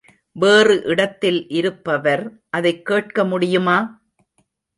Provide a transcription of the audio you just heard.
வேறு இடத்தில் இருப்பவர் அதைக் கேட்க முடியுமா?